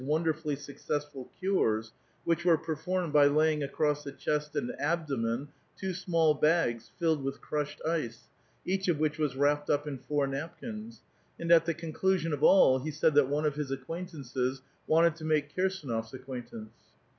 389 derfuUy successful cures, which were performed by laying across the chest and abdomen two small bags filled with crushed ice, each of which was wrapped up in four napkins ; and, at the conclusion of all, he said that one of his acquaint ances wanted to make Kirsdnof's acquaintance.